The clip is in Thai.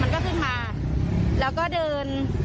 ขึ้นมาแล้วก็เดิน